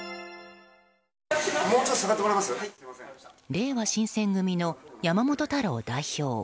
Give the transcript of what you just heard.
れいわ新選組の山本太郎代表。